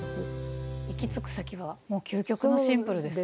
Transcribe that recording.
行き着く先はもう究極のシンプルですね。